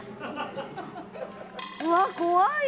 うわっ怖い。